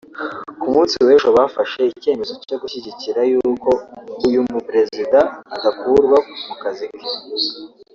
ku munsi w’ejo bafashe icyemezo cyo gushyigikira y’uko uyu mu Perezida adakurwa ku kazi ke